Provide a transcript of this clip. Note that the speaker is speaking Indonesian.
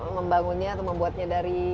membangunnya atau membuatnya dari